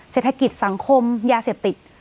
เศรษฐกิจสังคมยาเสพติด